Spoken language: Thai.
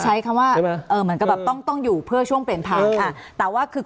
ใช้คำว่าแบบต้องอยู่เพื่อช่วงเปลี่ยนทาง